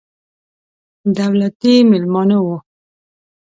دولتي مېلمانه وو.